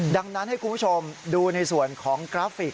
ดังนั้นให้คุณผู้ชมดูในส่วนของกราฟิก